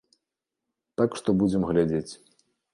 Так што будзем глядзець.